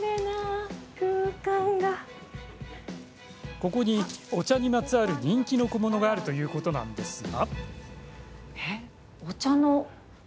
ここにお茶にまつわる人気の小物があるということなんですが。